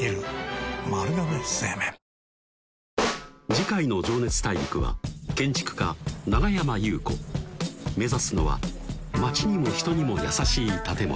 次回の「情熱大陸」は目指すのは街にも人にも優しい建物